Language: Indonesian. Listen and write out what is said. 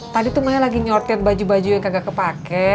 tadi tuh maya lagi nyortit baju baju yang kagak kepake